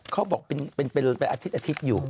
เขาบอกเป็นอาทิตย์อยู่